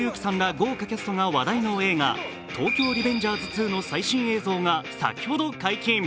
豪華キャストが話題の映画、「東京リベンジャーズ２」の最新映像が先ほど解禁。